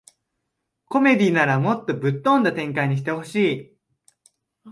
コメディならもっとぶっ飛んだ展開にしてほしい